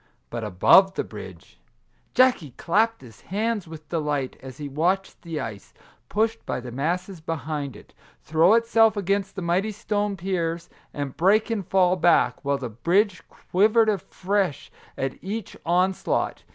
But above the bridge ! Jackie clapped his hands with delight, as he watched the ice, pushed by the masses behind it, throw itself against the mighty stone piers, and break and fall back, while the bridge quivered afresh at each onslaught.